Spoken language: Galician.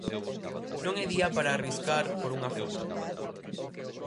Non é día para arriscar por unha foto.